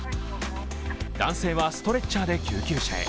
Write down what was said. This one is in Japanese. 男性はストレッチャーで救急車へ。